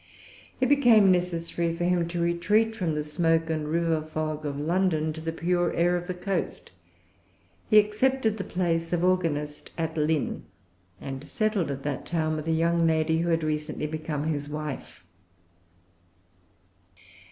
It became necessary for him to retreat from the smoke and river fog of London, to the pure air of the coast. He accepted the place of organist, at Lynn, and settled at that town with a young lady who had recently become his wife.